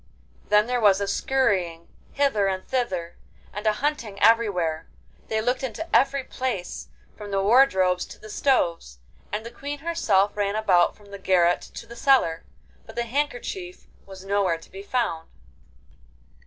Then there was a scurrying hither and thither, and a hunting everywhere: they looked into every place, from the wardrobes to the stoves, and the Queen herself ran about from the garret to the cellar, but the handkerchief was nowhere to be found.